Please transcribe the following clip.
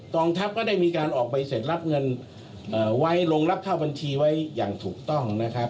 องทัพก็ได้มีการออกใบเสร็จรับเงินไว้ลงรับเข้าบัญชีไว้อย่างถูกต้องนะครับ